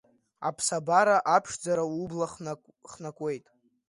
Аԥсабара аԥшӡара убла хнакуеит.